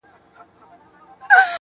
تقویم الحق کاکاخیل د حمزه ددغه راز